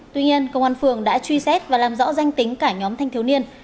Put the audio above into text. tuy nhiên công an phường đã truy xét và làm rõ danh tính cả nhóm thanh thiếu niên